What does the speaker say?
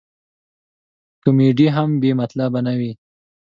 کمیډي هم بې مطلبه نه وي.